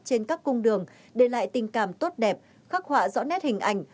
trên các cung đường để lại tình cảm tốt đẹp khắc họa rõ nét hình ảnh